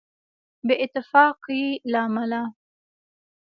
بې اتفاقۍ له امله.